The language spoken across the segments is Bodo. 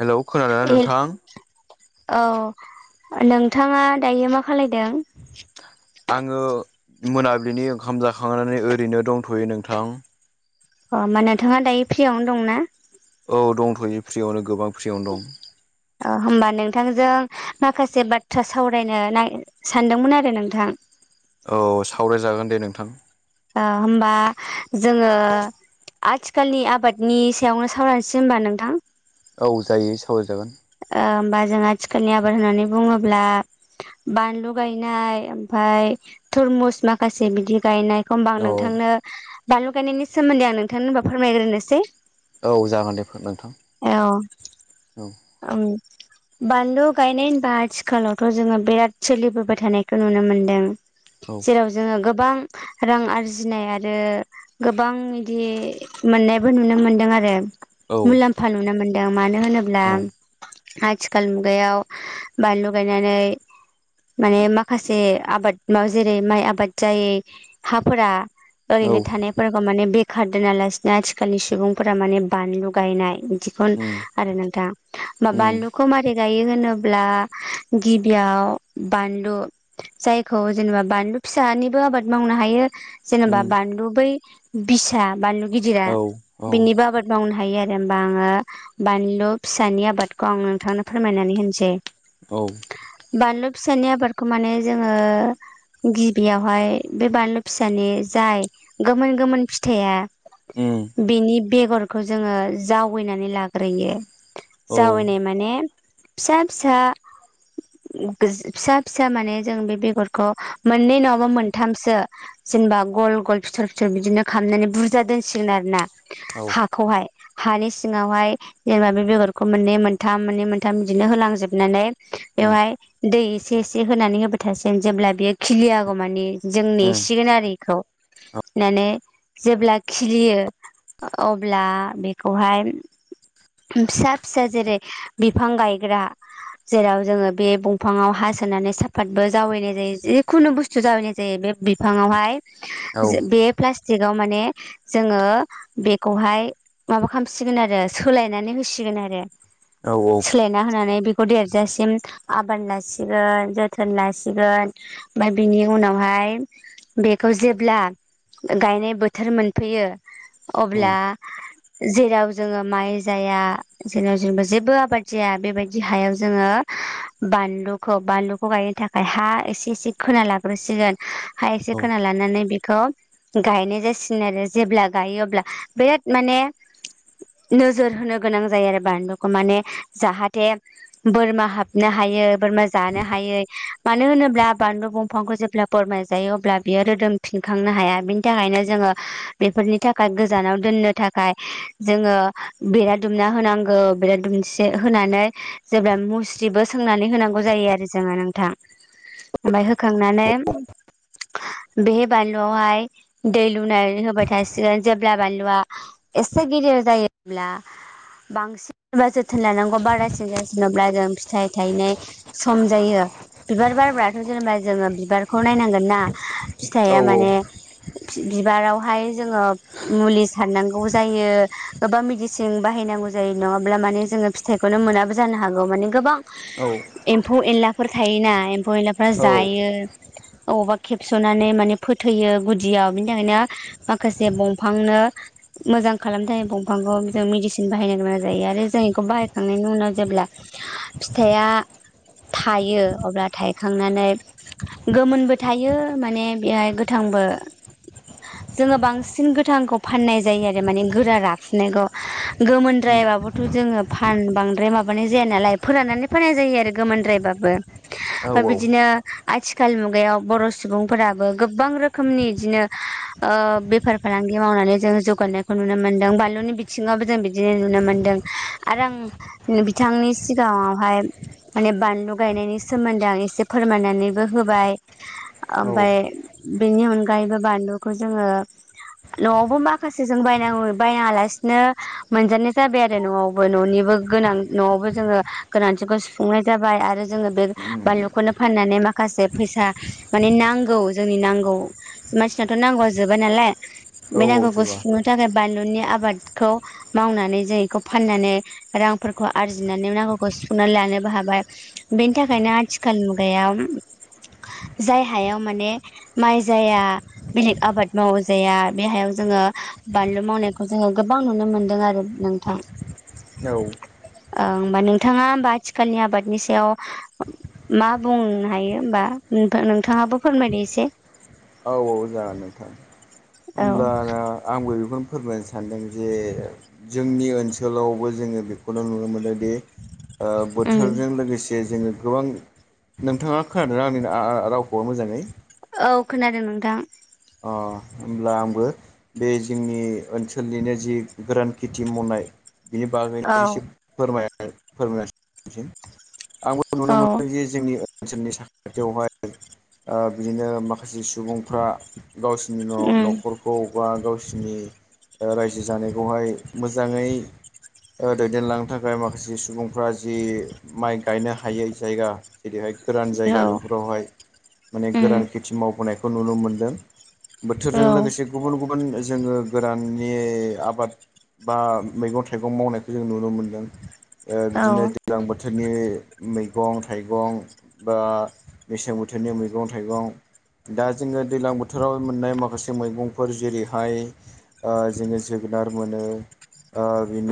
हेलौ खोनादोंना नोंथां हेल औ नोंथाङा दायो मा खालायदों? आङो मोनाबिलिनि ओंखाम जाखांनानै ओरैनो दंथ'यो नोंथां। अह होमबा नोंथाङा दायो फ्रियावनो दंना? औ दंथ'यो फ्रियावनो गोबां फ्रियावनो दं। होमबा नोंथांजों माखासे बाथ्रा सावरायनो सानदोंमोन आरो नोंथां। औ सावरायजागोन दे नोंथां। होमबा जोङो आथिखालनि आबादनि सायावनो सावरायसै होनबा नोंथां। औ जायो सावरायजागोन। होमबा जोंहा थिखोननि आबाद होननानै बुङोब्ला बानलु गायनाय ओमफाय थरमुस माखासे बिदि गायनाय होमबा आं औ नोंथांनो बानलु गायनायनि सोमोन्दै आं नोंथांनो होनबा फोरमायग्रोनोसै। औ जागोन दे नोंथां औ औ। [inaudible] बानलु गायनाय होनबा आथिखालावथ' जोङो बिराद सोलिबोबाय थानायखौ नुनो मोनदों। औ। [unintelligible] जोङो गोबां रां आरजिनाय आरो गोबां इदि मोननायबो नुनो मोनदों आरो औ मुलाम्फा नुनो मोन्दों मानो होनोब्ला औ आथिखाल मुगायाव बानलु गायनानै माने माखासे आबाद मावाव जेरै माइ आबाद जायै हाफोरा औ ओरैनो थानायफोरखौ माने बेखार दोनालासिनो आथिखालनि सुबुंफोरा माने बानलुगायनाय इदि उम [unintelligible] आरो नोंथां मा उम बानलुखौ मारै गायो होनोब्ला गिबियाव बानलु जायखौ जेनेबा बानलु फिसानिबो आबाद मावनो हायो जेनेबा उम बानलु बै बिसा बानलु गिदिरा औ औ बिनि बो आबाद बावनो हायो आरो ओमबा आङो बानलु फिसानि आबादखौ आं नोंथांनो फोरमायनानै होनसै औ बानलु फिसानि आबादखौ माने जोङो गिबियावहाय बे बानलु फिसानि जाय गोमोन गोमोन फिथाइया उम बिनि बेगरखौ जोङो जावैनानै लाग्रोयो औ जावैनाय माने फिसा फिसा उम गोज फिसा फिसा माने जों बे बेगरखौ मोननै नङाबा मोनथामसो जेनबा गल गल फिथर फिथर बिदिनो खामनानै बुरजा दोनसिगोन आरो ना औ हाखौहाय हानि सिङावहाय जेनेबा बे बेगर हा खौ मोन्नै मोनथाम मोन्नै मोनथाम बिदिनो होलांजोबनानै उम बेवहाय दै से इसे होनानै होबाय थसिग जेब्ला बेयो खिलियागौ मानि जोंनि उम सिरिनारिखौ नानै जेब्ला खिलियो अब्ला बेखौहाय फिसा फिसा जेरै बिफां गायग्रा जेराव जोङो बे बंफाङाव हासोनानै साफातबो जावैनाय जायो जिखुनु बुस [unintelligible] जायो बे बिफाङावहाय औ जो बे प्लास्टिकआव माने जोङो बेखौहाय माबा खालामसिगोन आरो सोलायनानै होसिगोन आर दे औ औ सोलायना होनानै बेखौ देरजासिम आबाद लासिगोन जोथोन लासिगोन बाय बिनि उनावहाय बेखौ जेब्ला गायनाय बोथोर मोनफैयो उम अब्ला जेराव जोङो माइ जाया जेनाव जेनबा जेबो आबाद जाया बेबायदि हायाव जोङो बानलुखौ बानलुखौ गायो था फाय हा एसे एसे खोना लाग्रोसिगोन हा औ एसे खोना लानानै बे खौ गायनाय जासिनो आरो जेब्ला गायो अब्ला बिराद माने नोजोर होनोग गोनां जायो आरो बानलुखौ माने जाहाथे बोरमा हाब्नो हायो बोरमा जानो हायै मानो होनोब्ला बानलु बंफांखौ जेब्ला फोरमाय जायो अब्ला बियो रोदोमफिनखांनो हाया बिनि थाखायनो जोङो बेफोरनि थाखाय गोजानाव दोननो थाखाय जोङो बिराद दुमना होनांगौ बिराद दुमसे होनानै जेब्ला मुस्रिबो सोंनानै होनांगौ जायो आरो ज जोङो नोंथां ओमफाय होखांनानै बे बानलुआवहाय दै लुनानै होबाय थासिगोन जेब्ला बानलुआ एसे गिदिर जायो अब्ला बांसिनबा जोथोन लानांगौ बारासिन जासिनोब्ला जों फिथाइ थायनाय सम जायो बिबार बारबाथ' जेनेबा जोङो बिबारख' नायनांगोन ना फिथाइया औ माने बिबारावहाय जोङो मुलि सारनांगौ जायो गोबां मेदिसि जों बाहायनांगौ जायो नङाब्ला माने जोङो फिथाइखौनो मोनाबो जानो हागौ माने गोबां एम्फौ एनलाफोर थायोना एम्फौ एनलाफ्रा जायो अबावबा खेबस'नानै माने फोथैयो गुदियाव बिनि थाखायनो माखासे दंफांनो मोजां खालामदों दंफांखौ जों मेडिसिन बाहायनो गोनां जायो आरो जों बेखौ बाहायखांनायनि उनाव जेब्ला फिथाइया थायो अब्ला थायखांनानै गोमोनबो थायो माने बेहाय गोथांबो जोङो बांसिन गोथांखौ फाननाय जायो आरो माने गोरा रफिनायखौ गोमोनद्रायबाबोथ' जोङो फान बांद्राय माबानाय जाया नालाय फोराननानै फोनाय जायो आरो गोमोनद्रायबाबो ओमफ्राय बिदिनो आथिखाल मुगायाव बर' सुबुंफोराबो गोबां रोखोमनि बिदिनो बेफार फालांगि मावनानै जोंङ जौगानायखौ नुनो मोन्दों बानलुनि सिङावबो जों बिदिनो नुनो मोनदों आरो आं बिथांनि सिगाङावहाय माने बानलु गायनायनि सोमोन्दै आं एसे फोरमायनानैबो होबाय ओमाय बेनि अनगायैबो बानलुखौ जोङो न'आवबो माखासे जों बाय बायनाङा लासिनो नो मोनजानाय जाबाय आरो न'आवबो न'निबो गोनां न'आवबो जोङो गोनांथिखौ सुफुंनाय जाबाय आरो जोङो बे उम बानलुखौनो फाननानै माखासे फैसा माने नांगौ जोंनि नांगौ मानसिनाथ' नांगौआ जोबा नालाय औ बे औ नांगौखौ जोबा सुफुंनो थाखाय बानलुनि आबादखौ मावनानै जों बेखौ फाननानै रांफोरखौ आरजिनानै नांगौखौ सुफुंनानै लानोबो हाबाय बेनि थाखायनो आथिखाल मुगायाव जाय हायाव माने माइ जाया बेलेग आबाद मावो जाया बेहायाव जोङो बानलु मावनायखौ जोङो गोबां नुनो मोनदों आरो नोंथां औ होमबा नोंथाङा होमबा आथिखालनि आबादनि सायाव मा बुंनो हायो होमबा नोंथाङाबो फोरमायदो एसे औावबो जागोन नोंथां औ होम्लाना आंबो बेखौनो फोरमायनो सानदों जे जोंनि ओनसोलावबो जोङो बेखौनो नुनो मोनोदि उम बोथोरजों लोगोसे जोङो गोबां नोंथाङा खोनादों आंनि रावखौ मोजाङै औ खोनादों नोंथां अ होमब्ला आंबो बे जोंनि ओनसोलनिनो जि गोरान खेथि मावनाय बिनि औ बागैनो एसे फोरमाय फोरमाय आंबो नुनो औ मोनदों जे जोंनि ओनसोलनि साखाथियावहाय बिदिनो माखासे सुबुंफ्रा गावसोरनि न'आव उम नखरखौ बा गावसिनि रायजो जानायखौहाय मोजाङै दैदेनलांनो थाखाय माखासे सुबुंफ्रा जि माइ गायनो हायै जायगा जेरैहाय गोरान औ जायगा बेफोरावहाय माने उम गोरान खेथि मावबोनायखौ नुनो मोनदों औ बोथोरजों लोगोसे गुबुन गुबुन जोङो गोराननि आबाद बा मैगं थाइगं मावनायखौ जों नुनो मोनदों औ बिदिनो गोजां बोथोरनि मैगं थाइगं बा मेसें बोथोरनि मैगं थाइगं दा जोङो दै्लां बोथोराव मोननाय मा माखासे मैगंफोर जेरैहाय जोङो जोगोनार मोनो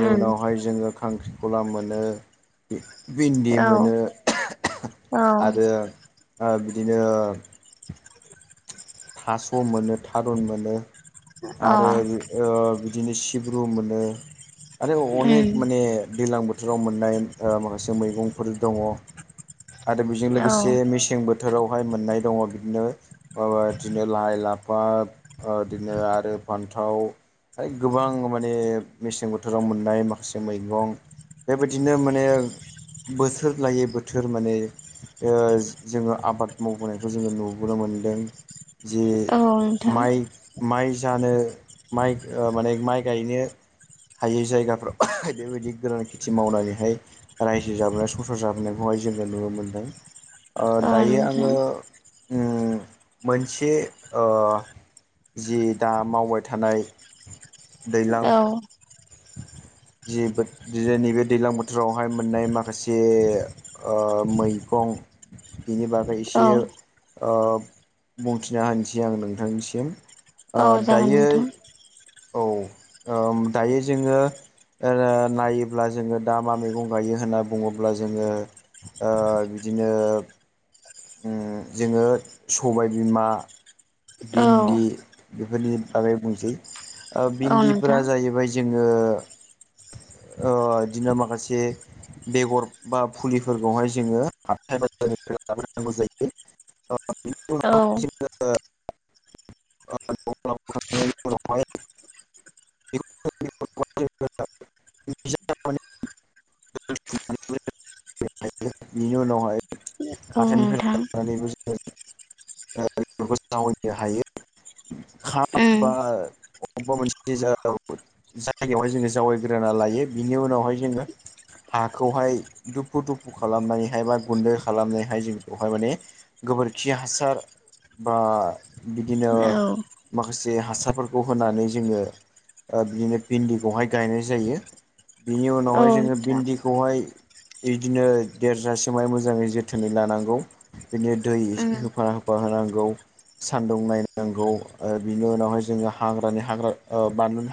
औ उनावहाय जोङो खांख्रिखला मोनो भिन्दि मोनो अ औ आरो बिदिनो थास' मोनो थारुन मोनो आरो ओ बिदिनो सिब्रु मोनो आरो अनेक माने दैज्लां बोथोराव बोथोराव मोननाय ओ माखासे मैगंफोर दङ आरो बेजों नोंथां औ लोगोसे मेसें बोथ बोथोरावहाय मोननाय दङ बिदिनो माबा बिदिनो लाइ लाफा ओ बिदिनो आरो फान्थाव गोबां माने मेसें बोथोराव मोननाय माखासे मैगं बेबायदिनो माने बोथोर लायै बोथोर माने ओ जोङो आबाद मावबोनायखौ जोङो नुबोनो मोनदों जि औ नोंथां माइ माइ जानो माइ ओ माने माइ गायनो हायै जायगाफोराव बेबायदि गोरान खेथि मावनानैहाय रायजो जाबोनाय संसार जाबोनायखौहाय जोङो नुनो मोनदों ओ औ दायो आङो से ओ जि दा मावबाय थानाय दैलां औ जि बो नैबे दैलां बोथोरावहाय मोननाय माखासे ओमैगं बेनि बागै एसे ओ बुंथिना होनोसै आं नोंथांनिसिम ओ औ दायो नोंथां औ ओम दायो जोङो नायोब्ला जोङो दा मा मैगं गायो होनना बुङोब्ला जोङो ओ बिदिनो ओम जोङो सबाय बिमा औ नोंथां औ भिन्दि बेफोरनि बागै बुंसै ओ औ भिन्दिफोरा नोंथां जाहैबाय ज जोङो ओ बिदिनो माखासे बेगर बा फुलिफोरखौहाय जोङो हाथाय बाजारनिफ्राय लाबोनांगौ जायो बेनि उनाव औ जोङो ओ न'आव लाबोखांनायनि उनावहाय [unintelligible] [unintelligible] बिनि उनावहाय नोंथां औ हाथाइनिफ्राय नोंथां लानानैबो ज [unintelligible] [unintelligible] जायगायावहाय जोङो जावायग्रोना लायो बिनि उनावहाय जोङो हाखौहाय दुफु दुफु खालामनानैहाय बा गुन्दै खालामनानैहाय जों बेखौहाय माने गोबोरखि हासार बा बिदिनो औ माखासे हासारफोरखौ होनानै जोङो बिदिनो भिन्दिखौहाय गायनाय जायो बेनि उनावहाय जोङो भिन्दिखौहाय बिदिनो देरजासिमाय मोजाङै जोथोनै लानांगौ बिदिनो दै होफाना होफा होनांगौ सान्दुं नायनांगौ ओ बिनि उनावहाय जोङो हाग्रानि हाग्रा बानलु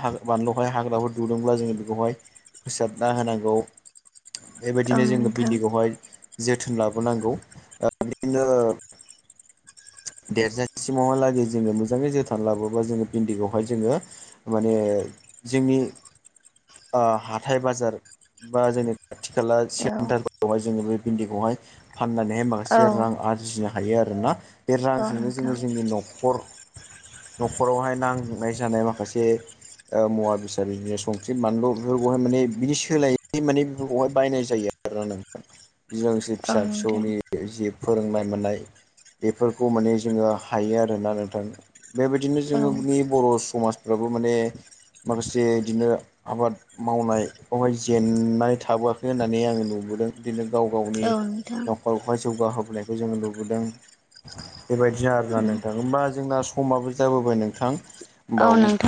बेहाय हाग्राफोर दुदोंब्ला जोङो बेखौहाय फोसाबना होनांगौ बेबायदिनो जोङो भिन्दिखौहाय जोथोन लाबोनांगौ ओ बिदिनो देरजासिमावहालागै जोङो मोजाङै जोथोन लाबोबा जोङो भिन्दिखौहाय जोङो माने जोंनि ओ हाथाय बाजार बा जोंनि खाथि खाला सेन्टारफोरावहाय जोङो बे भिन्दिखौहाय फाननानैहाय माखासे रां आरजिनो हायो आरोना बे रांजोंनो जोङो जोंनि न'खर न'खरावहाय नांनाय जानाय माखासे मुवा बेसाद बिदिनो संख्रि बानलु बेफोरखौहाय माने बिनि सोलाय माने बेफोरखौहाय बायनाय जायो आरो [unintelligible] फिसा फिसौनि जि फोरोंनाय मोननाय बेफोरखौ माने जोङो हायो आरोना नोंथां बेबायदिनो जोङोनि बर' समाजफ्राबो माने माखासे बिदिनो आबाद मावनायखौहाय जेननाय थाबोआखै होननानै आङो नुबोदों बिदिनो गाव गावनि न'खरावहाय जौगाहोबोनायखौ जोङो नुबोदों। बेबायदि आरोना नोंथां होमबा जोंना समाबो जाबोबाय नोंथां। नोंथां औ होमबा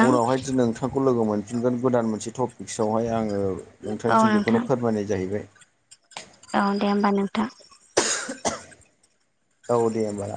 उनावहाय नोंथांखौ लोगो मोनफिनगोन गोदान मोनसे टपिक्सआवहाय आङो नोंथांनिसिम बेखौनो फोरमायनाय जाहैबाय। औ दे होमबा नोंथां। औ दे होमबा।